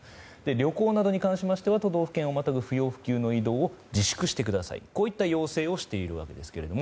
旅行などに関しては都道府県をまたぐ不要不急の移動を自粛してくださいといった要請をしているわけですけれども。